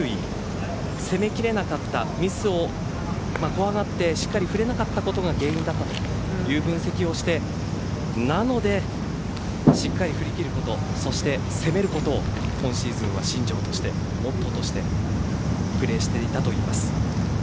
攻めきれなかったミスを怖がってしっかり振れなかったことが原因だったとという分析をしてなのでしっかり振り切る事そして攻めることを今シーズンは信条としてモットーとしてプレーしていたといいます。